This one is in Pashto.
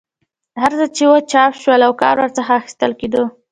هر څه چې وو چاپ شول او کار ورڅخه اخیستل کېدی.